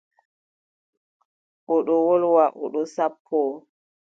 O ɗon wolwa o ɗon sappoo.